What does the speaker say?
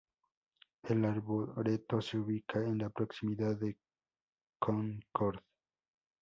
El arboreto se ubica en la proximidad de Concord.